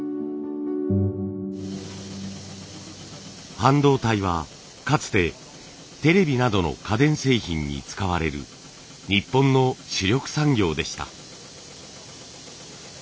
半導体はかつてテレビなどの家電製品に使われる日本の主力産業でした。